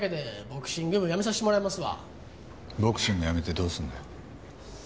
ボクシングやめてどうするんだよ？